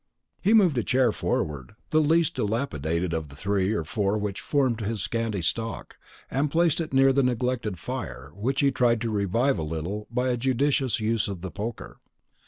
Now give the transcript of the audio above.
He moved a chair forward, the least dilapidated of the three or four which formed his scanty stock, and placed it near the neglected fire, which he tried to revive a little by a judicious use of the poker.